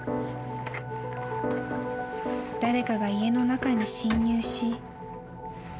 ［誰かが家の中に侵入し］